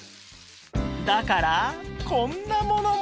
だからこんなものも